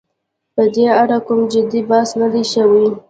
په دې اړه کوم جدي بحث نه دی شوی.